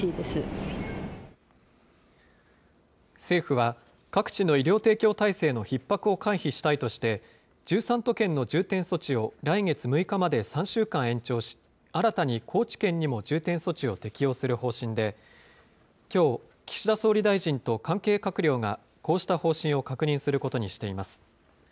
政府は、各地の医療提供体制のひっ迫を回避したいとして、１３都県の重点措置を、来月６日まで３週間延長し、新たに高知県にも重点措置を適用する方針で、きょう岸田総理大臣と関係閣僚が、こうした方針を確認することにしています。